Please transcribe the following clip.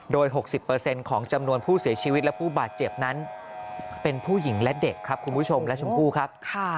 โดย๖๐ของจำนวนผู้เสียชีวิตและผู้บาดเจ็บนั้นเป็นผู้หญิงและเด็กครับคุณผู้ชมและชมพู่ครับ